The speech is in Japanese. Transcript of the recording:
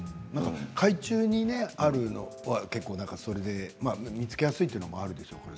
海中にあるのは結構それで見つけやすいというのはあるでしょうね。